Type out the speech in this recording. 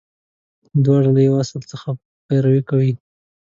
• دواړه له یوه اصل څخه پیروي کوي.